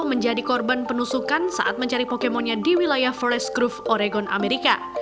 menjadi korban penusukan saat mencari pokemon nya di wilayah forest grove oregon amerika